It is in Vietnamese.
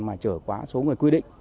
mà trở quá số người quy định